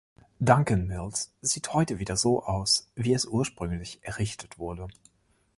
Duncans Mills sieht heute wieder so aus, wie es ursprünglich errichtet wurde.